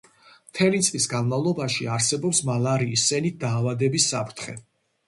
მთელი წლის განმავლობაში არსებობს მალარიის სენით დაავადების საფრთხე.